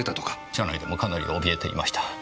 車内でもかなり怯えていました。